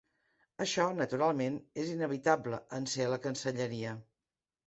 Això, naturalment, és inevitable, en ser a la Cancelleria.